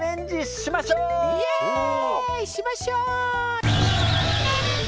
しましょう！